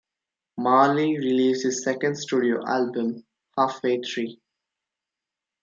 Marley released his second studio album "Halfway Tree".